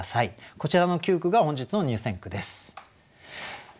こちらの９句が本日の入選句です。